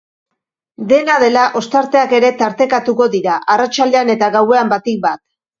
Dena dela, ostarteak ere tartekatuko dira, arratsaldean eta gauean batik bat.